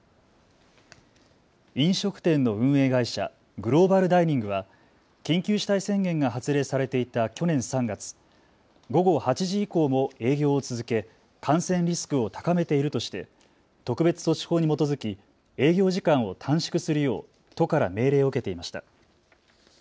飲食店の運営会社、グローバルダイニングは緊急事態宣言が発令されていた去年３月、午後８時以降も営業を続け感染リスクを高めているとして特別措置法に基づき営業時間を短縮するよう都から命令を受けていました。